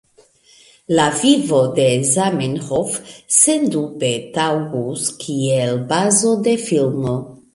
La vivo de Zamenhof sendube taŭgus kiel bazo de filmo.